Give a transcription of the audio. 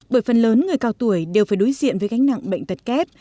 bởi phần lớn người cao tuổi đều phải đối diện với gánh nặng bệnh tật kép